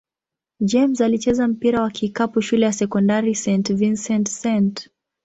James alicheza mpira wa kikapu shule ya sekondari St. Vincent-St.